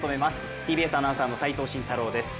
ＴＢＳアナウンサーの齋藤慎太郎です。